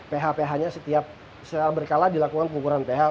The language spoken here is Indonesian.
ph phnya setiap berkala dilakukan pengukuran ph